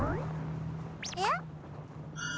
えっ？